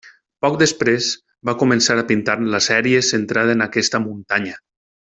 Poc després, va començar a pintar la sèrie centrada en aquesta muntanya.